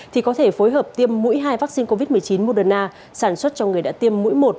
thì có thể phối hợp tiêm mũi hai vaccine covid một mươi chín moderna sản xuất cho người đã tiêm mũi một